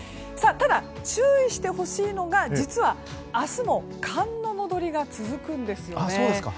ただ、注意してほしいのが実は明日も寒の戻りが続くんですよね。